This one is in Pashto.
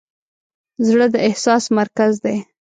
زړه د احساس مرکز دی.